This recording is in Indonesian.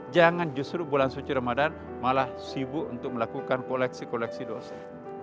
jangan justru bulan suci ramadan malah sibuk untuk melakukan koleksi koleksi dosa